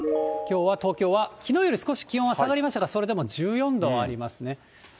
きょうは東京は、きのうより少し気温は下がりましたが、それでも１４度ありますね。